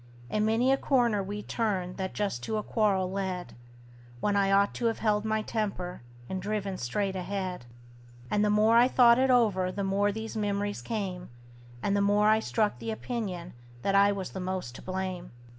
And many a corner we'd turned that just to a quarrel led, When I ought to 've held my temper, and driven straight ahead; And the more I thought it over the more these memories came, And the more I struck the opinion that I was the most to blame.